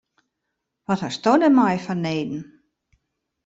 Wat hasto dêrmei fanneden?